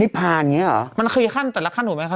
จะมาผ่านอย่างงี้เหรอ